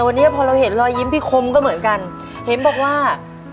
วันนี้พอเราเห็นรอยยิ้มพี่คมก็เหมือนกันเห็นบอกว่า